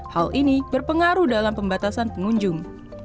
hal ini berpengaruh dalam pembatasan pengunjung